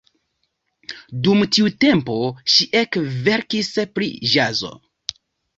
Dum tiu tempo ŝi ekverkis pri ĵazo.